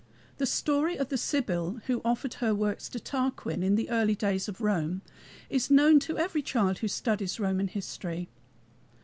The story of the Sibyl who offered her books to Tarquin, in the early days of Rome, is known to every child who studies Roman history.